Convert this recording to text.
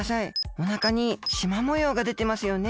おなかにしまもようがでてますよね。